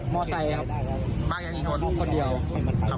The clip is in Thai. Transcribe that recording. มอเตอร์ไซค์ครับมากยังกี่คน